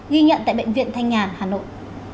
ghi nhận tại bệnh viện thanh nhàn hà nội